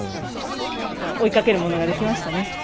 また追いかけるものができましたね。